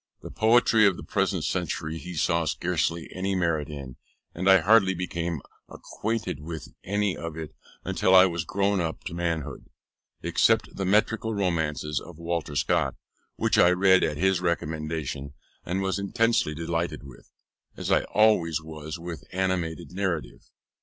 The poetry of the present century he saw scarcely any merit in, and I hardly became acquainted with any of it till I was grown up to manhood, except the metrical romances of Walter Scott, which I read at his recommendation and was intensely delighted with; as I always was with animated narrative.